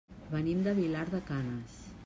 Venim de Vilar de Canes.